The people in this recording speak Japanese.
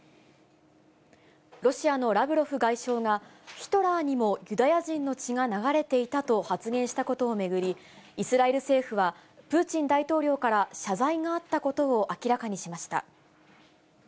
ロシアのラブロフ外相が、ヒトラーにもユダヤ人の血が流れていたと発言したことを巡り、イスラエル政府は、プーチン大統領から謝罪があったことを明らかにしました。